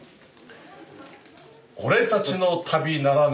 「俺たちの旅」ならぬ。